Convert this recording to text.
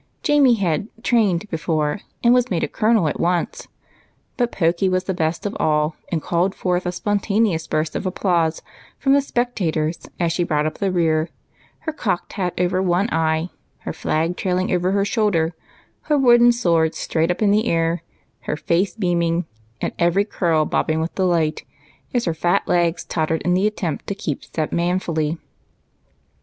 Jamie had "trained" before, and was made a colonel at once ; but Pokey was the best of all, and called forth a spontaneous burst of applause from the spectators as she brought up the rear, her cocked hat all over one eye, her flag trailing over her shoulder, and her wooden sword straight up in the air; her face beaming and every curl bobbing with delight as her fat legs tottered in the vain attempt to keep step manfully. COSEY CORNER.